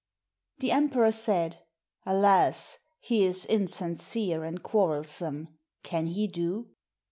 The emperor said, "Alas! he is insincere and quarrelsome; can he do?"